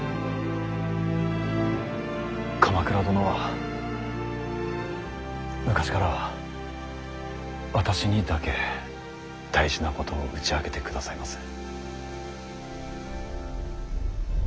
鎌倉殿は昔から私にだけ大事なことを打ち明けてくださいます。